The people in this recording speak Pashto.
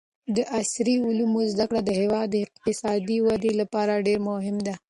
د عصري علومو زده کړه د هېواد د اقتصادي ودې لپاره ډېره مهمه ده.